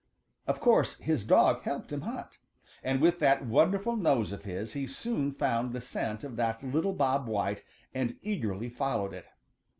Of course his dog helped him hunt, and with that wonderful nose of his he soon found the scent of that little Bob White and eagerly followed it.